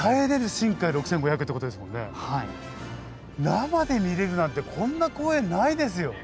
生で見れるなんてこんな光栄ないですよ。